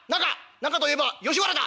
仲といえば吉原だ！